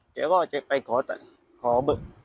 เขาก็จะไปขอเบอร์